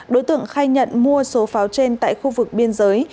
đối tượng khai nhận mua số pháo trên tại khu vực biên giới